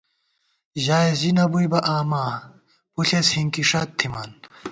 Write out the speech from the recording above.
ژائېس زی نہ بُوئی بہ آما، پݪېس ہِنکیݭَت تِھمان